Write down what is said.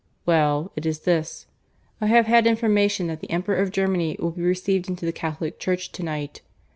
Well, it is this. I have had information that the Emperor of Germany will be received into the Catholic Church to night.